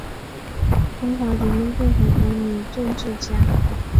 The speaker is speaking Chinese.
中华人民共和国女政治家。